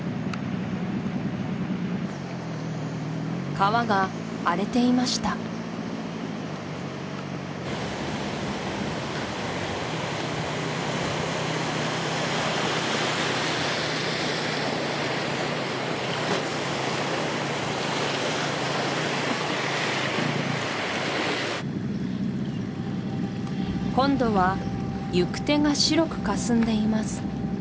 川が荒れていました今度は行く手が白くかすんでいます